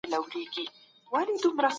د خدای په پرېکړه راضي اوسېدل د ایمان نښه ده.